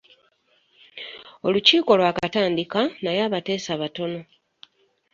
Olukiiko lwakatandika naye abateesa batono.